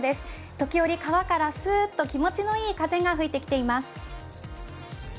時折、川からすーっと気持ちのいい風が吹いてきています。